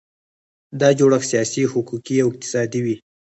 دا جوړښت سیاسي، حقوقي او اقتصادي وي.